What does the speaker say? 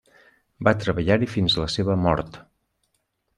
Va treballar-hi fins a la seva mort.